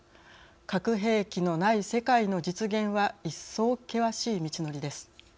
核兵器のない世界の実現は一層、険しい道のりです。